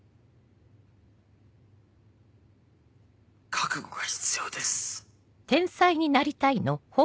覚悟が必要です。